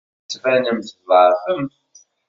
Tettbanem-d tḍeɛfem.